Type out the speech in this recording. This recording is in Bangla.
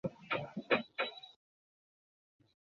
নে, এটা খা।